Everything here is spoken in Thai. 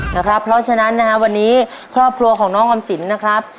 นะครับเพราะฉะนั้นนะฮะวันนี้ครอบครัวของน้องออมสินนะครับ